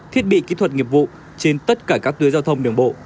thiết bị kỹ thuật nghiệp vụ trên tất cả các tuyến giao thông đường bộ